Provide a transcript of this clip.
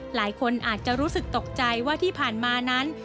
หลายคนอาจจะรู้สึกตกใจว่าที่ผ่านมานั้น